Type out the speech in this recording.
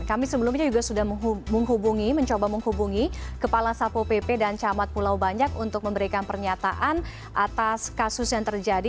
kami sebelumnya juga sudah menghubungi mencoba menghubungi kepala sapo pp dan camat pulau banyak untuk memberikan pernyataan atas kasus yang terjadi